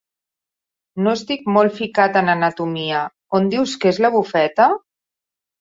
No estic molt ficat en anatomia; on dius que és la bufeta?